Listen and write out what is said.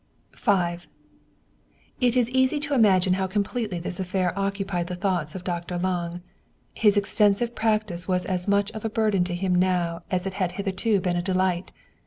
IT is easy to imagine how completely this affair occupied the thoughts of Dr. Lange. His extensive practice was as much of a burden to him now as it had hitherto been a delight.